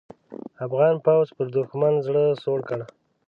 افغان پوځ پر دوښمن زړه سوړ کړ.